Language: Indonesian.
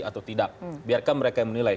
atau tidak biarkan mereka yang menilai